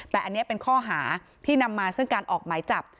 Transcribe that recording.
แต่อันนี้เป็นข้อหาที่นำมาซึ่งการออกหมายจับ